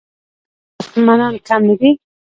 ایا ستاسو دښمنان کم نه دي؟